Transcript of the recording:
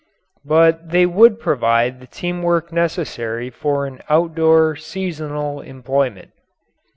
But they would provide the team work necessary for an outdoor, seasonal employment.